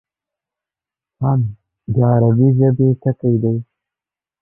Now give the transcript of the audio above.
فن: د عربي ژبي ټکی دﺉ.